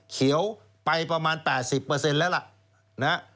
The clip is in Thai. เขียวไปประมาณ๘๐แล้วล่ะ